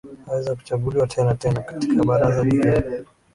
aweza kuchaguliwa tena tena katika baraza jipya